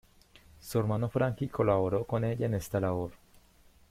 Su hermano Frankie colaboró con ella en esta labor.